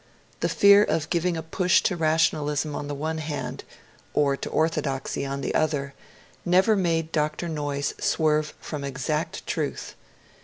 The fear of giving a push to rationalism on the one hand, or to orthodoxy on the other, never made Dr. Noyes swerve from exact truth.